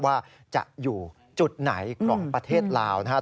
ว่าจะอยู่จุดไหนของประเทศลาวนะครับ